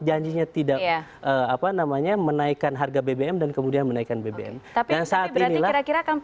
janjinya tidak apa namanya menaikkan harga bbm dan kemudian menurut kami tidak